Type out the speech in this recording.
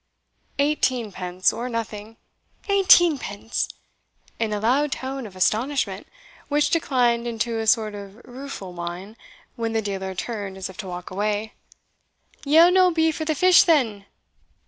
"Eighteen pence, or nothing!" "Eighteen pence!!!" (in a loud tone of astonishment, which declined into a sort of rueful whine, when the dealer turned as if to walk away) "Yell no be for the fish then?"